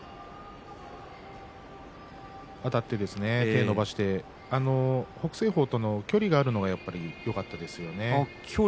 あたって手を伸ばして北青鵬との距離があるのがよかったですね。